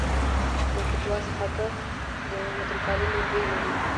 د کټواز خټه د وطنپالنې بوی لري.